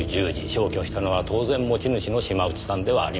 消去したのは当然持ち主の島内さんではありません。